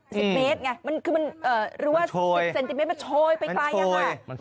สิบเมตรไงมันคือมันเอ่อหรือว่าสิบเซนติเมตรมันโชยไปไกลอ่ะค่ะ